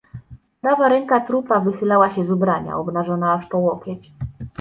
"Prawa ręka trupa wychylała się z ubrania, obnażona aż po łokieć."